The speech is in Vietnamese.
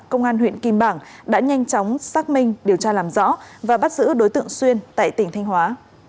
công an huyện kim bảng đã nhanh chóng xác minh điều tra làm rõ và bắt giữ đối tượng xuyên tại tỉnh thanh hóa